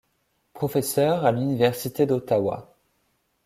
Professeur à l'Université d'Ottawa.